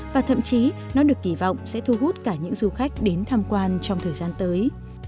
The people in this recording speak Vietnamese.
và thậm chí nó được kỳ vọng sẽ thu hút cả những du khách đến tham quan trong thời gian tới